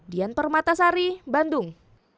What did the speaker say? dian permatasari bandung